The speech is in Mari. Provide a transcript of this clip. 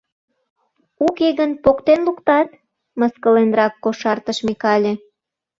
— Уке гын, поктен луктат? — мыскыленрак кошартыш Микале.